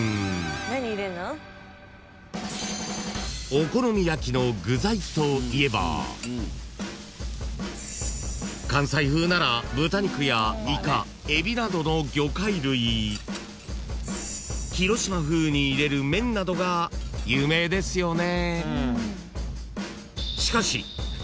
［お好み焼きの具材といえば関西風なら豚肉やイカエビなどの魚介類広島風に入れる麺などが有名ですよね］